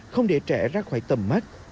không để trẻ ra khỏi tầm mắt